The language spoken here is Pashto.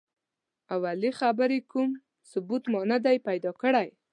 د اولې خبرې کوم ثبوت ما نه دی پیدا کړی.